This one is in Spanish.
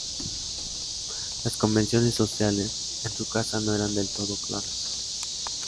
Las convenciones sociales en su casa no eran del todo claras.